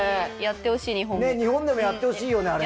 日本でもやってほしいよねあれ。